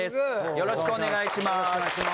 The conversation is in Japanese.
よろしくお願いします。